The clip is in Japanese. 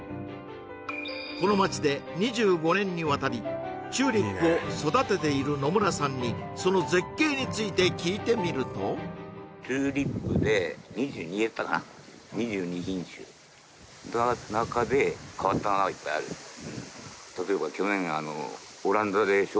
この町で２５年にわたりチューリップを育てている埜村さんにその絶景について聞いてみるとの中でそういった変わり種のやつが結構あります